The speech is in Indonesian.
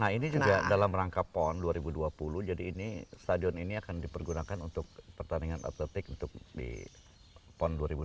nah ini juga dalam rangka pon dua ribu dua puluh jadi ini stadion ini akan dipergunakan untuk pertandingan atletik untuk di pon dua ribu dua puluh